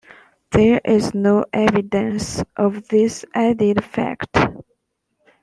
There is no evidence of this added fact.